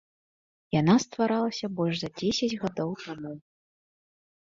Яна стваралася больш за дзесяць гадоў таму.